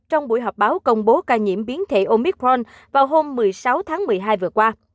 trong buổi họp báo công bố ca nhiễm biến thể omicron vào hôm một mươi sáu tháng một mươi hai vừa qua